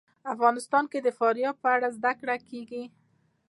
افغانستان کې د فاریاب په اړه زده کړه کېږي.